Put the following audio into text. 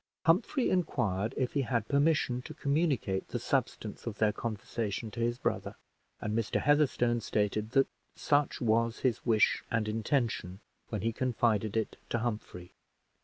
Humphrey inquired if he had permission to communicate the substance of their conversation to his brother, and Mr. Heatherstone stated that such was his wish and intention when he confided it to Humphrey.